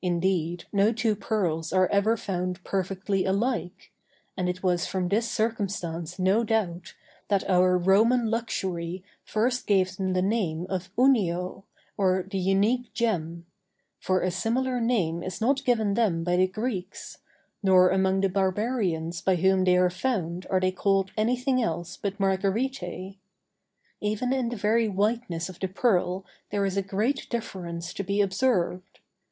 Indeed no two pearls are ever found perfectly alike; and it was from this circumstance, no doubt, that our Roman luxury first gave them the name of "unio," or the unique gem: for a similar name is not given them by the Greeks; nor among the barbarians by whom they are found are they called anything else but "margaritæ." Even in the very whiteness of the pearl there is a great difference to be observed.